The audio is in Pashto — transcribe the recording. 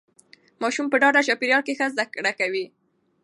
ماسوم په ډاډه چاپیریال کې ښه زده کړه کوي.